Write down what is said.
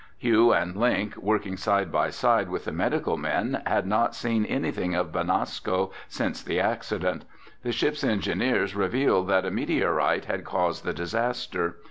Hugh and Link, working side by side with the medical men, had not seen anything of Benasco since the accident. The ship's engineers revealed that a meteorite had caused the disaster.